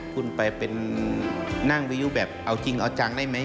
คุณไปเป็นนั่งวิยุแบบเอาจริงเอาจังได้ไหม